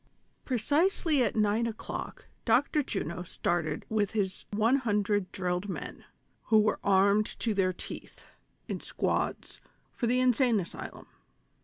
ilRECISELY at nine o'clock Dr. Juno started with his one hundred drilled men, who were armed to their teeth, in squads, for the Insane Asylum.